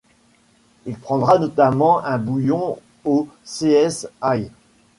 Il prendras notamment un bouillon au Cs Aÿ.